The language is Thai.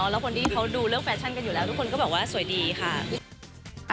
แล้วคนที่เขาดูเรื่องแฟชั่นกันอยู่แล้วทุกคนก็บอกว่าสวยดีค่ะ